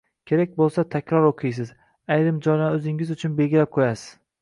kerak bo‘lsa, takror o‘qiysiz, ayrim joylarini o‘zingiz uchun belgilab qo‘yasiz.